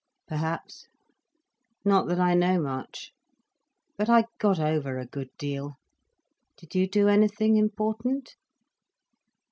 "Perhaps. Not that I know much. But I got over a good deal. Did you do anything important?"